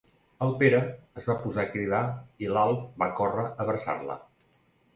El Pere es va posar a cridar i l'Alf va córrer a abraçar-la.